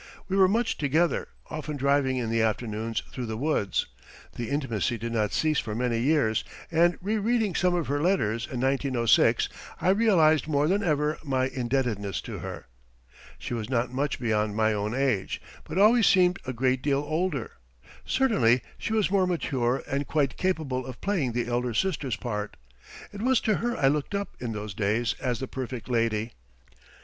We were much together, often driving in the afternoons through the woods. The intimacy did not cease for many years, and re reading some of her letters in 1906 I realized more than ever my indebtedness to her. She was not much beyond my own age, but always seemed a great deal older. Certainly she was more mature and quite capable of playing the elder sister's part. It was to her I looked up in those days as the perfect lady.